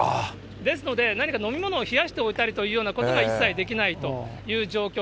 ですので何か飲み物を冷やしておいたりということが一切できないという状況。